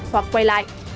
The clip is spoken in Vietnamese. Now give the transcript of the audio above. hoặc quay lại